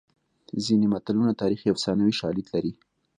ځینې متلونه تاریخي او افسانوي شالید لري